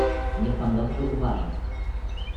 "„Niech pan dobrze uważa!"